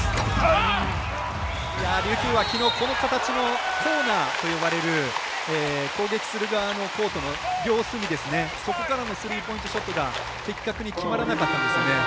琉球はきのうこの形のコーナーと呼ばれる攻撃する側のコートの秒数にそこからのスリーポイントショットが的確に決まらなかったんですね。